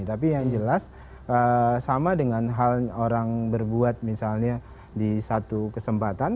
tapi yang jelas sama dengan hal orang berbuat misalnya di satu kesempatan